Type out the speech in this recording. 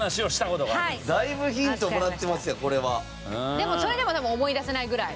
でもそれでも思い出せないぐらい。